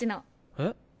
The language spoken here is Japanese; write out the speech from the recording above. えっ？